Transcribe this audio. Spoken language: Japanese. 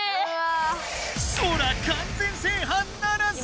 ソラ完全制覇ならず！